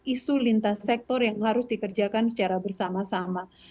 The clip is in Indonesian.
isu lintas sektor yang harus dikerjakan secara bersama sama